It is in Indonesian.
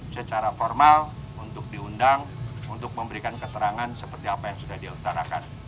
secara formal untuk diundang untuk memberikan keterangan seperti apa yang sudah diutarakan